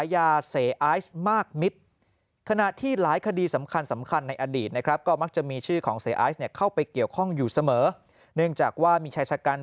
ยาเสไอซ์มากมิตรขณะที่หลายคดีสำคัญสำคัญในอดีตนะครับก็มักจะมีชื่อของเสียไอซ์เนี่ยเข้าไปเกี่ยวข้องอยู่เสมอเนื่องจากว่ามีชายชะกัน